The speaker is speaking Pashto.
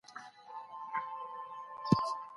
د شخصي معلوماتو ساتل مهم دي.